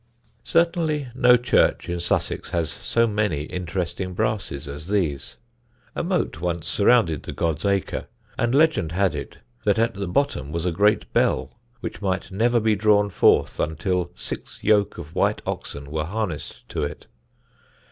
Certainly no church in Sussex has so many interesting brasses as these. A moat once surrounded the God's acre, and legend had it that at the bottom was a great bell which might never be drawn forth until six yoke of white oxen were harnessed to it.